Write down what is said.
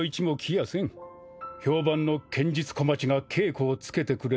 評判の剣術小町が稽古をつけてくれる。